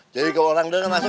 jadi kalau orang denger masuk